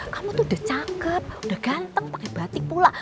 kamu tuh udah cakep udah ganteng pake batik pula